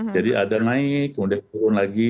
jadi ada naik kemudian turun lagi